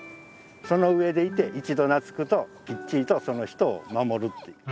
その上でいて一度懐くときっちりとその人を守るっていう。